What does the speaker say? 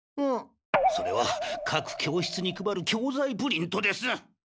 それはかく教室に配る教ざいプリントです！